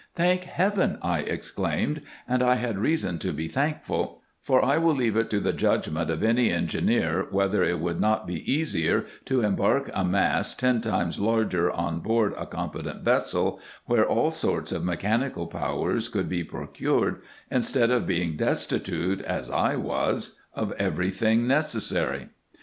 " Thank heaven !" I exclaimed, and I had reason to be thankful ; for I will leave it to the judgment of any engineer, whether it would not be easier to embark a mass ten times larger on board a competent vessel, where all sorts of mechanical powers can be procured, instead of being destitute, as I was, of every thing necessary.